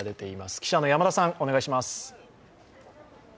記者の山田さん、お願いします。